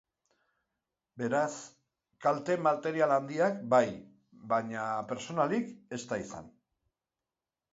Beraz, kalte material handiak bai, baina pertsonalik ez da izan.